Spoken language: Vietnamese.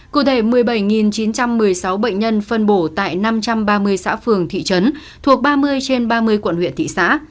cụ thể một mươi bảy chín trăm một mươi sáu bệnh nhân phân bổ tại năm trăm ba mươi xã phường thị trấn thuộc ba mươi trên ba mươi quận huyện thị xã